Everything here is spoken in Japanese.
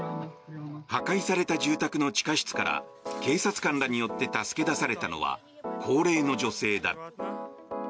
破壊された住宅の地下室から警察官らによって助け出されたのは高齢の女性だ。